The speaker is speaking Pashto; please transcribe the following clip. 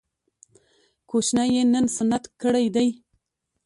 کوچنی يې نن سنت کړی دی